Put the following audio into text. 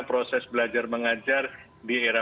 proses belajar mengajar di era